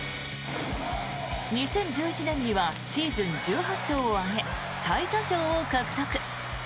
２０１１年にはシーズン１８勝を挙げ最多勝を獲得。